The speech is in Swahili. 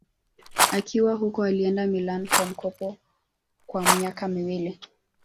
Akiwa huko alienda Milan kwa mkopo kwa miaka miwili